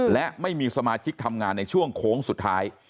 และไม่มีสมาชิกทำงานในช่วงโค้งสุดท้าย